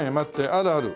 あるある。